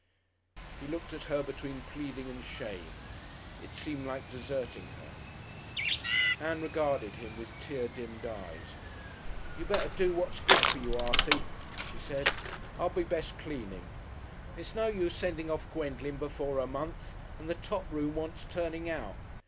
He looked at her between pleading and shame. It seemed like deserting her. Ann regarded him with tear dimmed eyes. "You'd better do what's good for you, Artie," she said.... "I'll be best cleaning. It's no use sending off Gwendolen before her month, and the top room wants turning out."